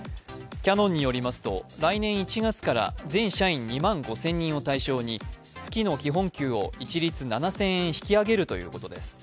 キヤノンによりますと来年１月から全社員２万５０００人を対象に月の基本給を一律７０００円引き上げるということです。